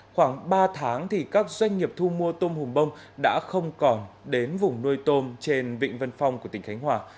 khoảng ba tháng thì các doanh nghiệp thu mua tôm hùm bông đã không còn đến vùng nuôi tôm trên vịnh vân phong của tỉnh khánh hòa